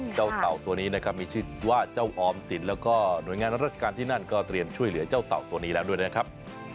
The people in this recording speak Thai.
เต่าตัวนี้นะครับมีชื่อว่าเจ้าออมสินแล้วก็หน่วยงานราชการที่นั่นก็เตรียมช่วยเหลือเจ้าเต่าตัวนี้แล้วด้วยนะครับ